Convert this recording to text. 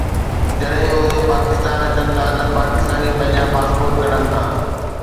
جڏهن اهي پاڪستان اچن ٿا ته پاڪستاني پنهنجا پاسپورٽ ڪڍن ٿا